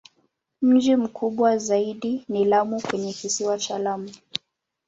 Mji mkubwa zaidi ni Lamu kwenye Kisiwa cha Lamu.